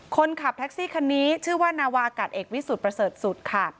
คนขับแท็กซี่คันนี้ชื่อว่านาวาอากาศเอกวิสุทธิ์ประเสริฐสุดค่ะ